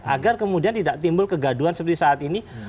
agar kemudian tidak timbul kegaduan seperti saat ini